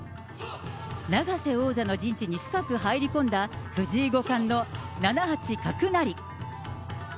永瀬王座の陣地に深く入り込んだ藤井五冠の７八角成。